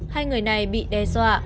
hai người này bị đe dọa